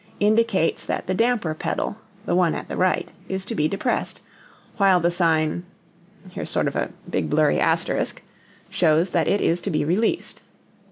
_ indicates that the damper pedal (the one at the right) is to be depressed, while the sign [damper release symbol] shows that it is to be released.